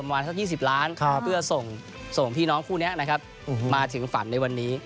ขวาส่งที่น้องคู่เนี่ยนะครับมาถึงฝันในวันนี้